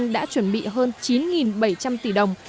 đã chuẩn bị hơn chín bảy trăm linh tỷ đồng